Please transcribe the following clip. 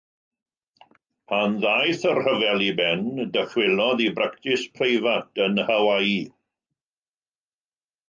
Pan ddaeth y rhyfel i ben dychwelodd i bractis preifat yn Hawaii.